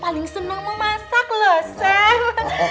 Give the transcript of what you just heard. paling seneng memasak loh sam